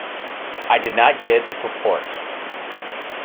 I did not get the purport.